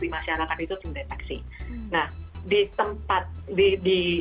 di masyarakat itu terdeteksi